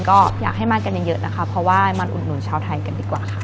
ก็อยากให้มากันเยอะนะคะเพราะว่ามาอุดหนุนชาวไทยกันดีกว่าค่ะ